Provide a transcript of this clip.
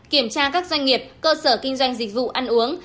kiểm tra các doanh nghiệp cơ sở kinh doanh dịch vụ ăn uống